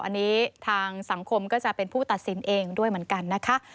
อันนี้ทางสังคมก็จะเป็นผู้ตัดสินเองด้วยเหมือนกันนะคะ